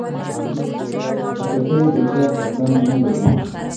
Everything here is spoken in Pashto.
خټکی د چا خفګان نه لري.